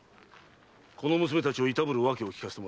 この娘たちをいたぶる訳を聞かせてもらおう。